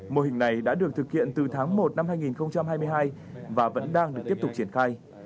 mô hình này đã được thực hiện từ tháng một năm hai nghìn hai mươi hai và vẫn đang được tiếp tục triển khai